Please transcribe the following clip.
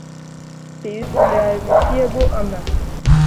پێویستم بە یارمەتییە بۆ ئەمە.